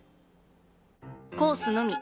コースのみ。